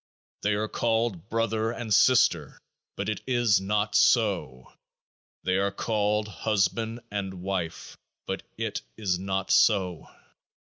They are called Brother and Sister, but it is not so. They are called Husband and Wife, but it is not so.